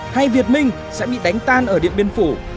hay việt minh sẽ bị đánh tan ở điện biên phủ